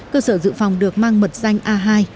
cơ sở dự phòng được mang mật danh a hai